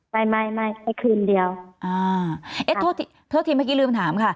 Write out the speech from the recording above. ไม่ไม่ไม่คืนเดียวอ่าเอ๊ะโทษโทษทีเมื่อกี้ลืมถามค่ะ